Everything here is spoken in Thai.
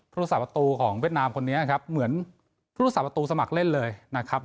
พระุธศักดิ์ประตูของเวียดนามคนนี้นะครับเหมือนพระุธศักดิ์ประตูสมัครเล่นเลยนะครับ